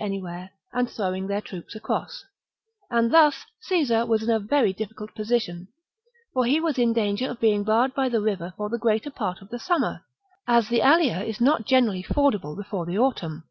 1 anywhere and throwing their troops across ; and thus Caesar was in a very difficult position, for he was in danger of being barred by the river for the greater part of the summer, as the Allier is not Caesar generally fordable before the autumn.